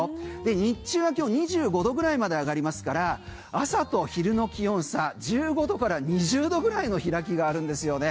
日中は気温２５度ぐらいまで上がりますから朝と昼の気温差１５度から２０度ぐらいの開きがあるんですよね。